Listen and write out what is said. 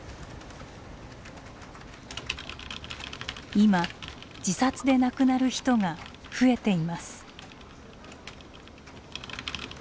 今自殺で亡くなる人が増えています。